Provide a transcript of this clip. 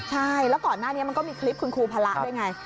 ใช่แล้วก่อนหน้านี้มันก็มีคลิปคุณครูพระด้วยไง